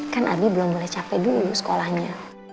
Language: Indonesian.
kan abi belum boleh capek dulu sekolahnya